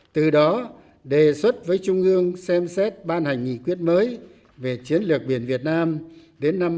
từ đó đề xuất với trung ương xem xét ban hành nghị quyết mới về chiến lược biển việt nam đến năm hai nghìn ba mươi